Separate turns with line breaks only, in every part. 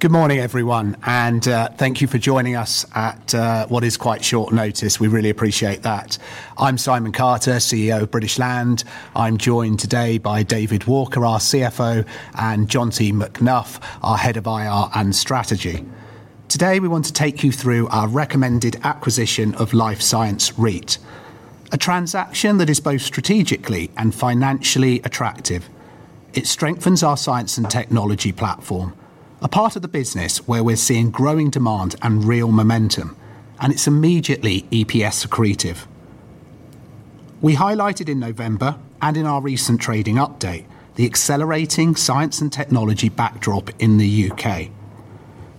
Good morning, everyone, and thank you for joining us at what is quite short notice. We really appreciate that. I'm Simon Carter, CEO of British Land. I'm joined today by David Walker, our CFO, and Jonty McNuff, our Head of IR and Strategy. Today, we want to take you through our recommended acquisition of Life Science REIT, a transaction that is both strategically and financially attractive. It strengthens our science and technology platform, a part of the business where we're seeing growing demand and real momentum, and it's immediately EPS accretive. We highlighted in November and in our recent trading update, the accelerating science and technology backdrop in the U.K.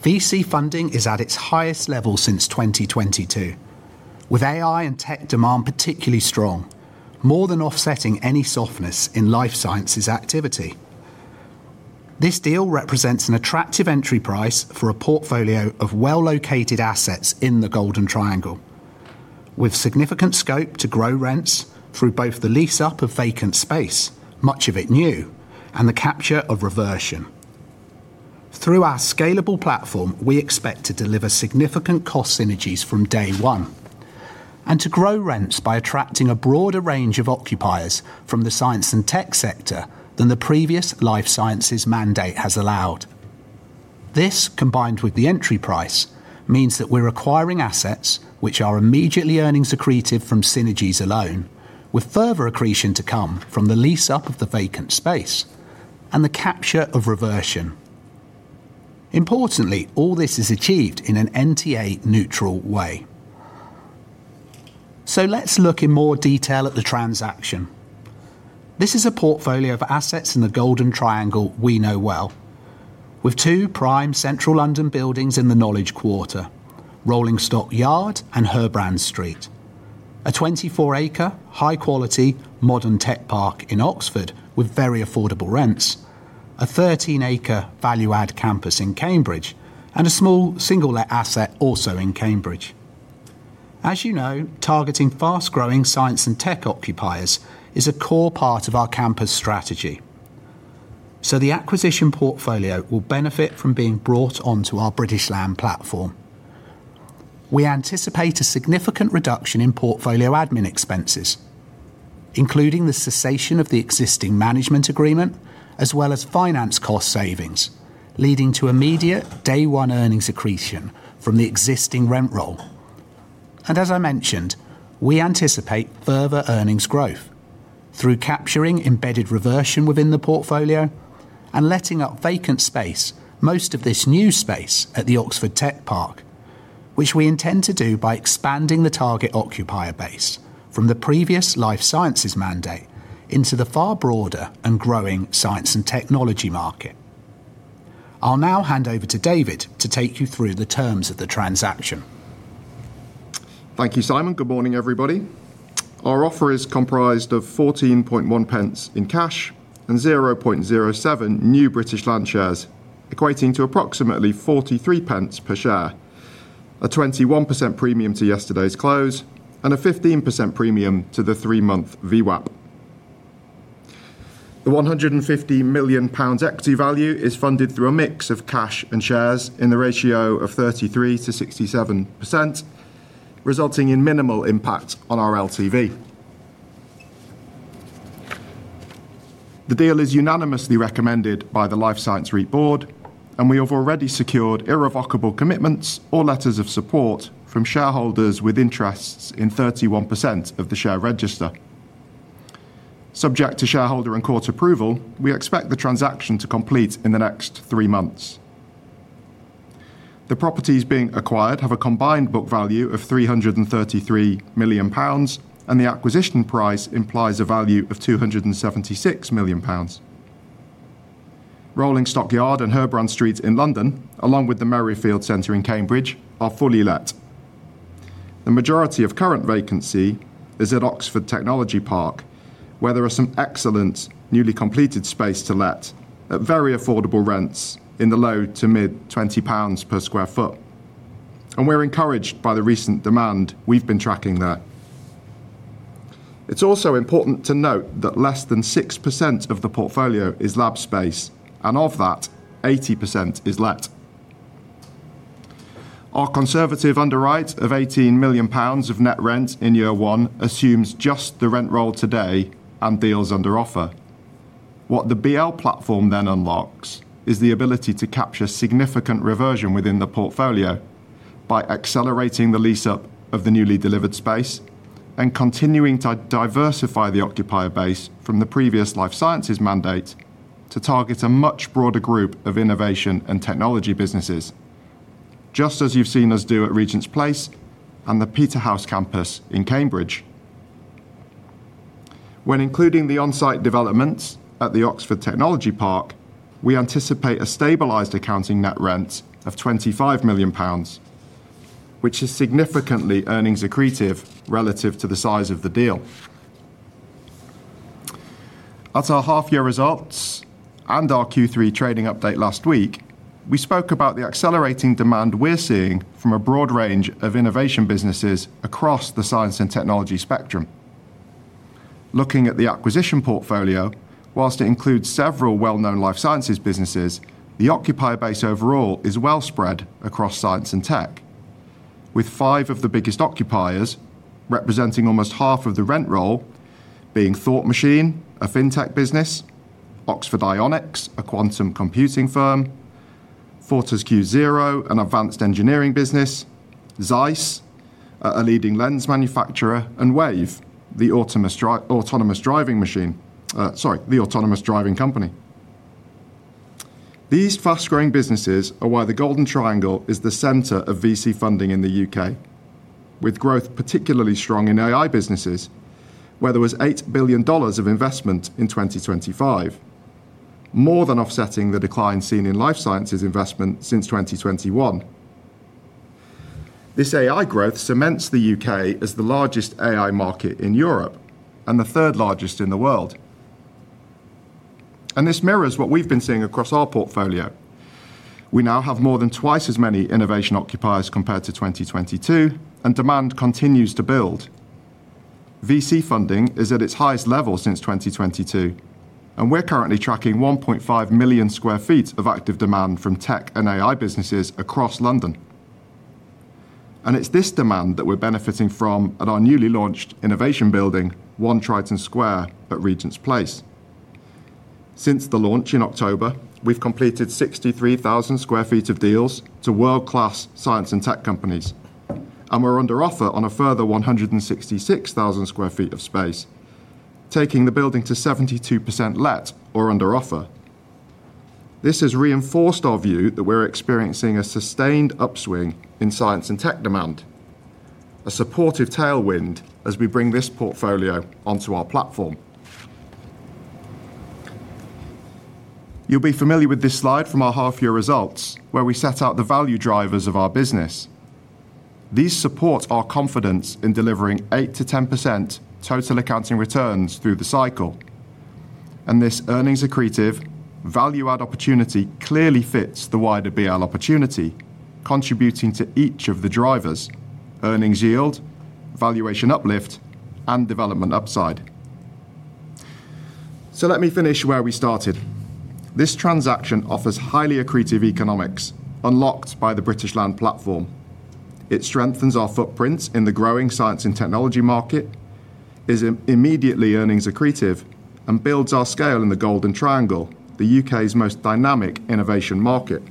VC funding is at its highest level since 2022, with AI and tech demand particularly strong, more than offsetting any softness in life sciences activity. This deal represents an attractive entry price for a portfolio of well-located assets in the Golden Triangle, with significant scope to grow rents through both the lease-up of vacant space, much of it new, and the capture of reversion. Through our scalable platform, we expect to deliver significant cost synergies from day one, and to grow rents by attracting a broader range of occupiers from the science and tech sector than the previous life sciences mandate has allowed. This, combined with the entry price, means that we're acquiring assets which are immediately earnings accretive from synergies alone, with further accretion to come from the lease-up of the vacant space and the capture of reversion. Importantly, all this is achieved in an NTA neutral way. Let's look in more detail at the transaction. This is a portfolio of assets in the Golden Triangle we know well, with two prime central London buildings in the Knowledge Quarter, Rolling Stock Yard and Herbrand Street. A 24-acre, high-quality modern tech park in Oxford with very affordable rents, a 13-acre value-add campus in Cambridge, and a small single asset also in Cambridge. As you know, targeting fast-growing science and tech occupiers is a core part of our campus strategy. So the acquisition portfolio will benefit from being brought onto our British Land platform. We anticipate a significant reduction in portfolio admin expenses, including the cessation of the existing management agreement, as well as finance cost savings, leading to immediate day one earnings accretion from the existing rent roll. As I mentioned, we anticipate further earnings growth through capturing embedded reversion within the portfolio and letting up vacant space, most of this new space at the Oxford Tech Park, which we intend to do by expanding the target occupier base from the previous life sciences mandate into the far broader and growing science and technology market. I'll now hand over to David to take you through the terms of the transaction.
Thank you, Simon. Good morning, everybody. Our offer is comprised of 0.141 in cash and 0.07 new British Land shares, equating to approximately 0.43 per share, a 21% premium to yesterday's close and a 15% premium to the 3-month VWAP. The 150 million pounds equity value is funded through a mix of cash and shares in the ratio of 33%-67%, resulting in minimal impact on our LTV. The deal is unanimously recommended by the Life Science REIT Board, and we have already secured irrevocable commitments or letters of support from shareholders with interests in 31% of the share register. Subject to shareholder and court approval, we expect the transaction to complete in the next three months. The properties being acquired have a combined book value of 333 million pounds, and the acquisition price implies a value of 276 million pounds. Rolling Stock Yard and Herbrand Street in London, along with the Merrifield Centre in Cambridge, are fully let. The majority of current vacancy is at Oxford Technology Park, where there are some excellent newly completed space to let at very affordable rents in the low- to mid-GBP 20s per sq ft, and we're encouraged by the recent demand we've been tracking there. It's also important to note that less than 6% of the portfolio is lab space, and of that, 80% is let. Our conservative underwrite of 18 million pounds of net rent in year one assumes just the rent roll today and deals under offer. What the BL platform then unlocks is the ability to capture significant reversion within the portfolio by accelerating the lease up of the newly delivered space and continuing to diversify the occupier base from the previous life sciences mandate to target a much broader group of innovation and technology businesses, just as you've seen us do at Regent's Place and the Peterhouse campus in Cambridge. When including the on-site developments at the Oxford Technology Park, we anticipate a stabilized accounting net rent of 25 million pounds, which is significantly earnings accretive relative to the size of the deal. At our half-year results and our Q3 trading update last week, we spoke about the accelerating demand we're seeing from a broad range of innovation businesses across the science and technology spectrum. Looking at the acquisition portfolio, while it includes several well-known life sciences businesses, the occupier base overall is well spread across science and tech, with five of the biggest occupiers representing almost half of the rent roll being Thought Machine, a fintech business, Oxford Ionics, a quantum computing firm, Fortescue Zero, an advanced engineering business, ZEISS, a leading lens manufacturer, and Wayve, the autonomous driving company. These fast-growing businesses are why the Golden Triangle is the center of VC funding in the U.K., with growth particularly strong in AI businesses, where there was $8 billion of investment in 2025, more than offsetting the decline seen in life sciences investment since 2021. This AI growth cements the UK as the largest AI market in Europe and the third largest in the world. This mirrors what we've been seeing across our portfolio. We now have more than twice as many innovation occupiers compared to 2022, and demand continues to build. VC funding is at its highest level since 2022, and we're currently tracking 1.5 million sq ft of active demand from tech and AI businesses across London. And it's this demand that we're benefiting from at our newly launched innovation building, One Triton Square at Regent's Place. Since the launch in October, we've completed 63,000 sq ft of deals to world-class science and tech companies, and we're under offer on a further 166,000 sq ft of space, taking the building to 72% let or under offer. This has reinforced our view that we're experiencing a sustained upswing in science and tech demand, a supportive tailwind as we bring this portfolio onto our platform. You'll be familiar with this slide from our half-year results, where we set out the value drivers of our business. These support our confidence in delivering 8%-10% total accounting returns through the cycle. And this earnings accretive value add opportunity clearly fits the wider BL opportunity, contributing to each of the drivers: earnings yield, valuation uplift, and development upside. So let me finish where we started. This transaction offers highly accretive economics unlocked by the British Land platform. It strengthens our footprint in the growing science and technology market, is immediately earnings accretive, and builds our scale in the Golden Triangle, the UK's most dynamic innovation market.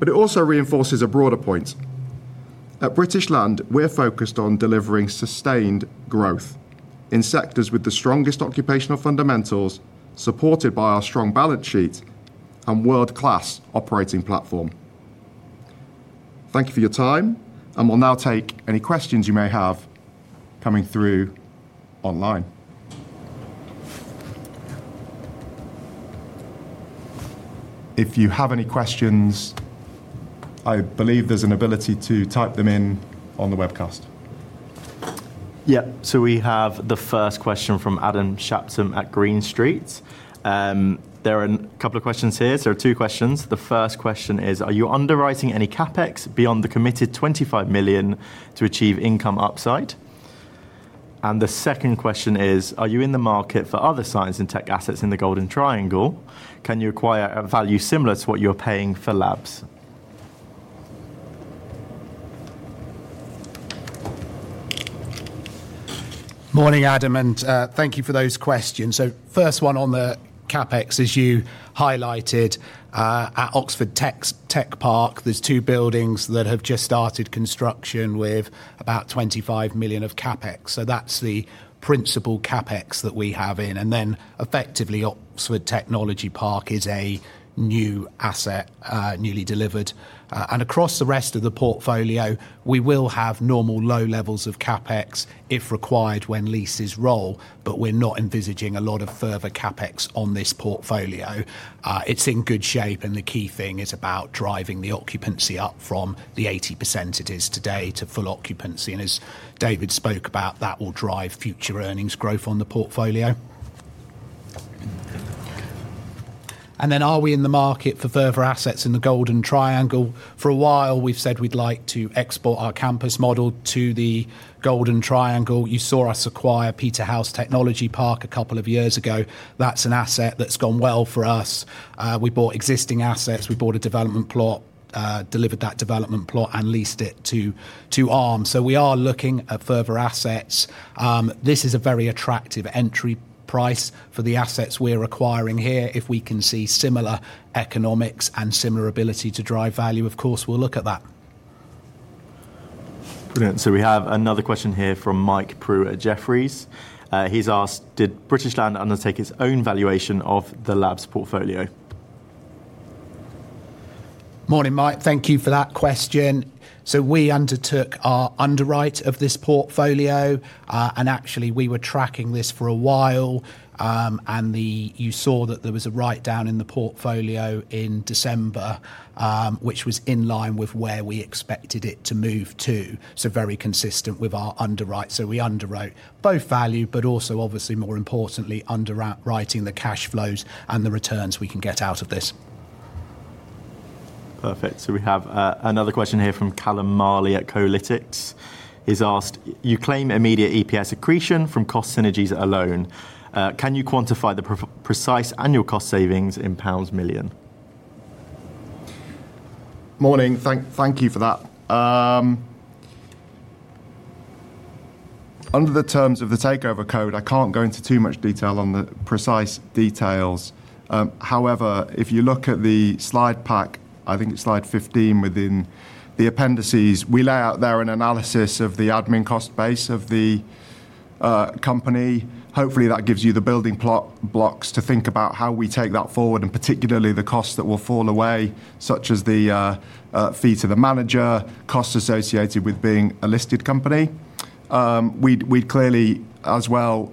But it also reinforces a broader point. At British Land, we're focused on delivering sustained growth in sectors with the strongest occupational fundamentals, supported by our strong balance sheet and world-class operating platform. Thank you for your time, and we'll now take any questions you may have coming through online. If you have any questions, I believe there's an ability to type them in on the webcast.
Yeah. So we have the first question from Adam Shapton at Green Street. There are a couple of questions here. So there are two questions. The first question is: Are you underwriting any CapEx beyond the committed 25 million to achieve income upside? And the second question is: Are you in the market for other science and tech assets in the Golden Triangle? Can you acquire a value similar to what you're paying for labs?
Morning, Adam, and thank you for those questions. So first one on the CapEx, as you highlighted, at Oxford Technology Park, there's two buildings that have just started construction with about 25 million of CapEx. So that's the principal CapEx that we have in, and then effectively, Oxford Technology Park is a new asset, newly delivered. And across the rest of the portfolio, we will have normal low levels of CapEx, if required, when leases roll, but we're not envisaging a lot of further CapEx on this portfolio. It's in good shape, and the key thing is about driving the occupancy up from the 80% it is today to full occupancy. And as David spoke about, that will drive future earnings growth on the portfolio. And then, are we in the market for further assets in the Golden Triangle? For a while, we've said we'd like to export our campus model to the Golden Triangle. You saw us acquire Peterhouse Technology Park a couple of years ago. That's an asset that's gone well for us. We bought existing assets. We bought a development plot, delivered that development plot, and leased it to Arm. So we are looking at further assets. This is a very attractive entry price for the assets we're acquiring here. If we can see similar economics and similar ability to drive value, of course, we'll look at that.
Brilliant. So we have another question here from Mike Prew at Jefferies. He's asked: Did British Land undertake its own valuation of the labs portfolio?
Morning, Mike. Thank you for that question. So we undertook our underwrite of this portfolio, and actually, we were tracking this for a while. And you saw that there was a write-down in the portfolio in December, which was in line with where we expected it to move to, so very consistent with our underwrite. So we underwrote both value, but also, obviously, more importantly, underwriting the cash flows and the returns we can get out of this.
Perfect. So we have another question here from Callum Marley at Kolytics. He's asked: "You claim immediate EPS accretion from cost synergies alone. Can you quantify the precise annual cost savings in pounds million?
Morning. Thank you for that. Under the terms of the Takeover Code, I can't go into too much detail on the precise details. However, if you look at the slide pack, I think it's slide 15 within the appendices, we lay out there an analysis of the admin cost base of the company. Hopefully, that gives you the building blocks to think about how we take that forward, and particularly the costs that will fall away, such as the fee to the manager, costs associated with being a listed company. We'd clearly, as well,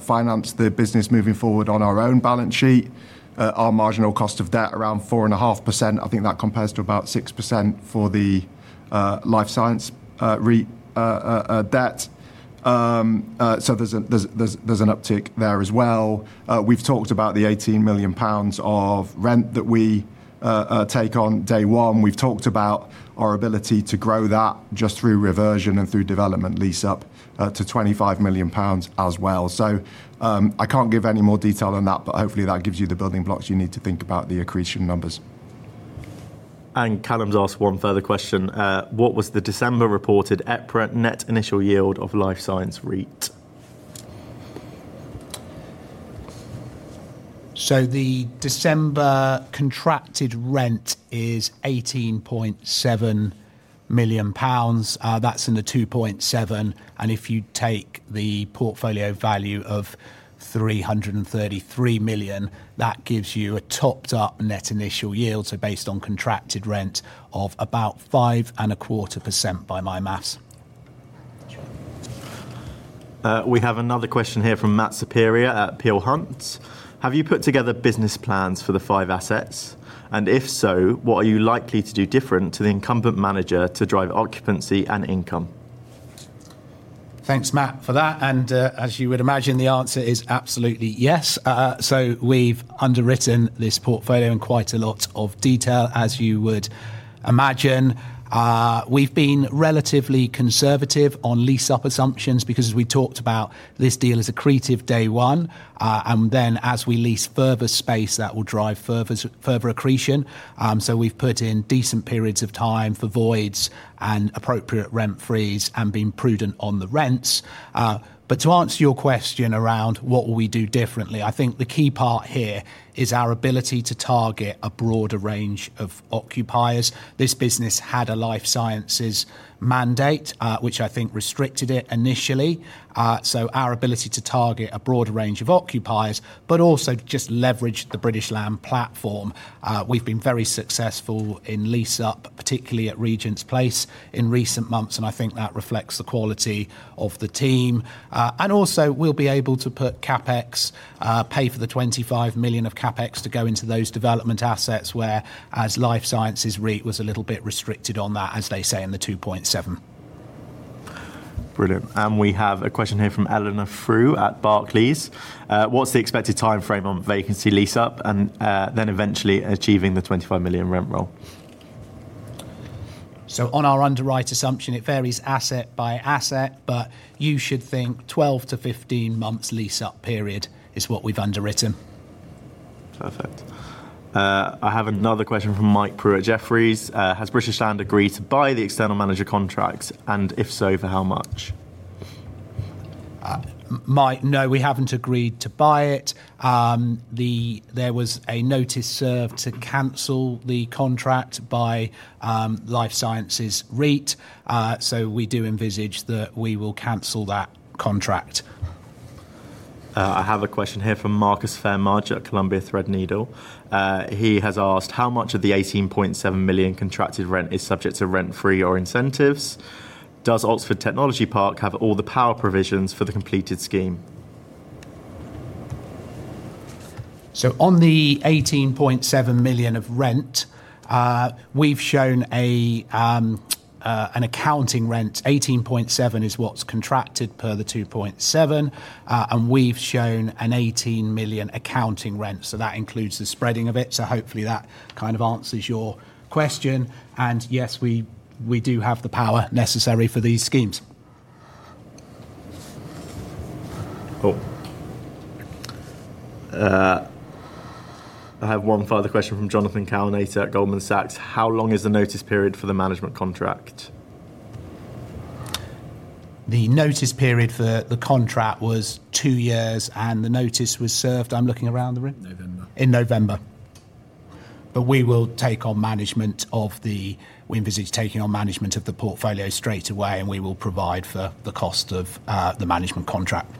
finance the business moving forward on our own balance sheet. Our marginal cost of debt, around 4.5%. I think that compares to about 6% for the life science REIT debt. So there's an uptick there as well. We've talked about the 18 million pounds of rent that we take on day one. We've talked about our ability to grow that just through reversion and through development lease-up to 25 million pounds as well. So, I can't give any more detail on that, but hopefully, that gives you the building blocks you need to think about the accretion numbers.
Callum's asked one further question: "What was the December reported EPRA Net Initial Yield of Life Science REIT?
So the December contracted rent is 18.7 million pounds. That's in the 2.7, and if you take the portfolio value of 333 million, that gives you a topped up net initial yield, so based on contracted rent of about 5.25%, by my math.
We have another question here from Matthew Saperia at Peel Hunt: "Have you put together business plans for the five assets? And if so, what are you likely to do different to the incumbent manager to drive occupancy and income?
Thanks, Matt, for that, and as you would imagine, the answer is absolutely yes. So we've underwritten this portfolio in quite a lot of detail, as you would imagine. We've been relatively conservative on lease-up assumptions, because as we talked about, this deal is accretive day one. And then, as we lease further space, that will drive further, further accretion. So we've put in decent periods of time for voids and appropriate rent-free and been prudent on the rents. But to answer your question around what will we do differently, I think the key part here is our ability to target a broader range of occupiers. This business had a life sciences mandate, which I think restricted it initially. So our ability to target a broader range of occupiers, but also just leverage the British Land platform. We've been very successful in lease-up, particularly at Regent's Place in recent months, and I think that reflects the quality of the team. Also, we'll be able to put CapEx, pay for the 25 million of CapEx to go into those development assets where, as Life Science REIT was a little bit restricted on that, as they say, in the 2.7.
Brilliant. And we have a question here from Eleanor Frew at Barclays: "What's the expected timeframe on vacancy lease-up and, then eventually achieving the 25 million rent roll?
So on our underwrite assumption, it varies asset by asset, but you should think 12-15 months lease-up period is what we've underwritten.
Perfect. I have another question from Mike Prew at Jefferies: "Has British Land agreed to buy the external manager contracts? And if so, for how much?
Mike, no, we haven't agreed to buy it. There was a notice served to cancel the contract by Life Science REIT, so we do envisage that we will cancel that contract.
I have a question here from Marcus Phayre-Mudge at Columbia Threadneedle. He has asked: "How much of the 18.7 million contracted rent is subject to rent-free or incentives? Does Oxford Technology Park have all the power provisions for the completed scheme?
So on the 18.7 million of rent, we've shown a, an accounting rent. 18.7 is what's contracted per the 2.7, and we've shown a 18 million accounting rent, so that includes the spreading of it. So hopefully that kind of answers your question. And yes, we, we do have the power necessary for these schemes.
Cool. I have one further question from Jonathan Kownator at Goldman Sachs: "How long is the notice period for the management contract?
The notice period for the contract was two years, and the notice was served. I'm looking around the room-November. In November. But we will take on management of the-we envisage taking on management of the portfolio straight away, and we will provide for the cost of the management contract.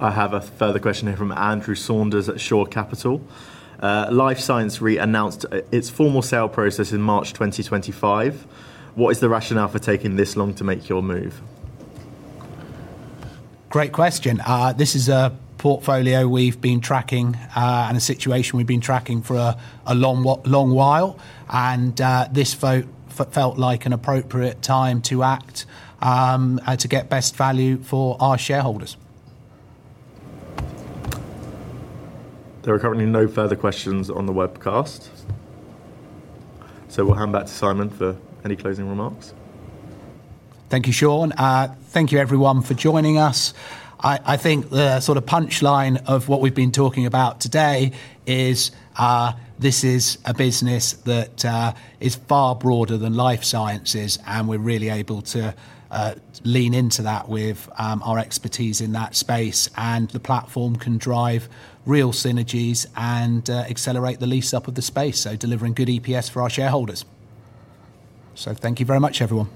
I have a further question here from Andrew Saunders at Shore Capital: "Life Science REIT announced its formal sale process in March 2025. What is the rationale for taking this long to make your move?
Great question. This is a portfolio we've been tracking, and a situation we've been tracking for a long while, and this vote felt like an appropriate time to act, to get best value for our shareholders.
There are currently no further questions on the webcast, so we'll hand back to Simon for any closing remarks.
Thank you, Sean. Thank you, everyone, for joining us. I think the sort of punchline of what we've been talking about today is this is a business that is far broader than life sciences, and we're really able to lean into that with our expertise in that space, and the platform can drive real synergies and accelerate the lease-up of the space, so delivering good EPS for our shareholders. Thank you very much, everyone.